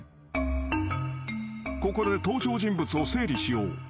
［ここで登場人物を整理しよう］